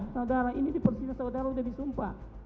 saudara ini di persisah saudara udah ditumpah